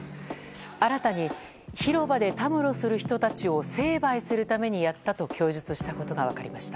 新たに広場でたむろする人たちを成敗するためにやったと供述したことが分かりました。